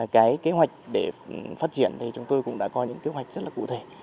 cái kế hoạch để phát triển thì chúng tôi cũng đã có những kế hoạch rất là cụ thể